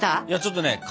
いやちょっとね